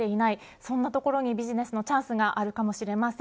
そんなところにビジネスのチャンスがあるかもしれません。